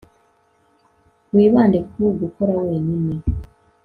wibande ku gukora wenyine